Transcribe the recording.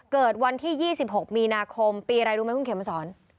เกิดวันที่๒๖มีนาคมปีอะไรรู้ไหมคุณเขมสอน